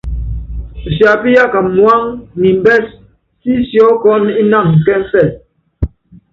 Usiapíyaka muáŋu niimbɛs sí siɔ́kɔnɔ ínanu kɛŋfɛlu.